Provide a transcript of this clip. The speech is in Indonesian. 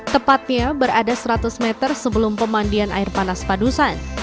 tepatnya berada seratus meter sebelum pemandian air panas padusan